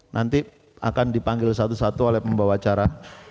nanti akan dipanggil satu satu oleh pembawa acara